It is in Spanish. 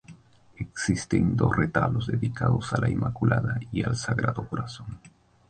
Existen otros dos retablos dedicados a la Inmaculada y al Sagrado Corazón.